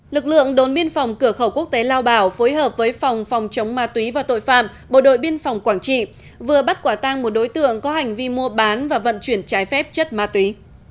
lực lượng đồn biên phòng cửa khẩu quốc tế lao bảo phối hợp với phòng phòng chống ma túy và tội phạm bộ đội biên phòng quảng trị vừa bắt quả tang một đối tượng có hành vi mua bán và vận chuyển trái phép chất ma túy